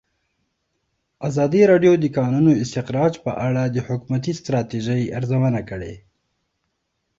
ازادي راډیو د د کانونو استخراج په اړه د حکومتي ستراتیژۍ ارزونه کړې.